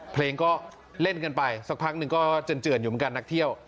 เพลงก็เล่นกันไปสักพักหนึ่งก็เจื่อนอยู่เหมือนกันนักเที่ยว